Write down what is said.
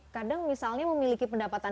kadang misalnya memiliki pendapatan